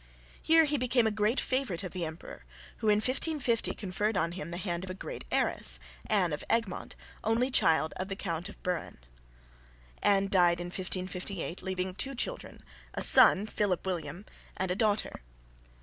Here he became a great favourite of the emperor, who in 1550 conferred on him the hand of a great heiress, Anne of Egmont, only child of the Count of Buren. Anne died in 1558, leaving two children, a son, Philip William, and a daughter.